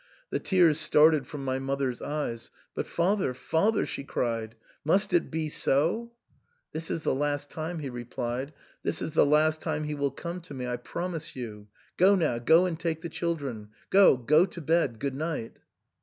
The tears started from my mother's eyes. " But, father, father," she cried, " must it be so ?"" This is the last time," he replied ;this is the last time he will come to me, I promise you. Go now, go and take the chil dren. Go, go to bed — good night."